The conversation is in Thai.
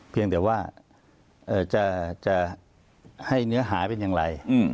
เพียงแต่ว่าจะให้เนื้อหาเป็นอย่างไร